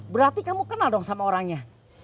berarti kamu kenal dong sama orangnya